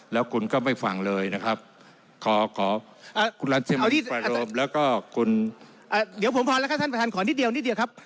แล้วกูลก็ไม่ฟังเลยนะครับ